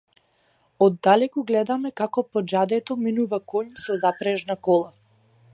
Оддалеку гледаме како по џадето минува коњ со запрежна кола.